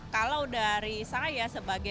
kalau dari saya sebagai